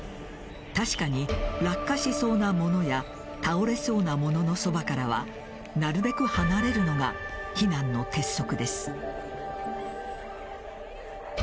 確かに落下しそうなものや倒れそうなもののそばからはなるべく離れるのが避難の鉄則です。